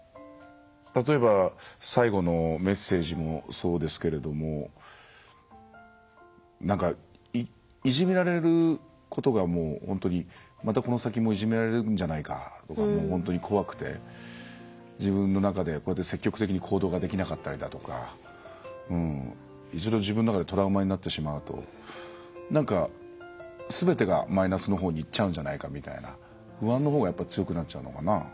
例えば最後のメッセージもそうですけれども何かいじめられることが本当にまたこの先もいじめられるんじゃないかとかもう本当に怖くて自分の中でこうやって積極的に行動ができなかったりだとか一度自分の中でトラウマになってしまうと全てがマイナスのほうにいっちゃうんじゃないかみたいな不安のほうが強くなっちゃうのかな。